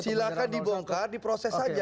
silahkan dibongkar diproses saja